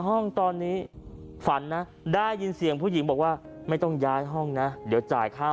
ห้องตอนนี้ฝันนะได้ยินเสียงผู้หญิงบอกว่าไม่ต้องย้ายห้องนะเดี๋ยวจ่ายค่า